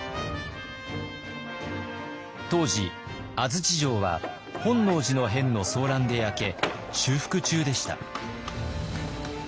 当時安土城は本能寺の変の争乱で焼け修復中でした。